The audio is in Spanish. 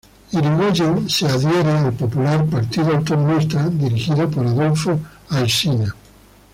Irigoyen adhiere al popular Partido Autonomista dirigido por Adolfo Alsina.